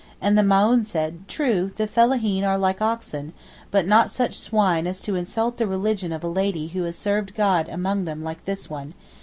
and the Maōhn said, 'True, the fellaheen are like oxen, but not such swine as to insult the religion of a lady who has served God among them like this one.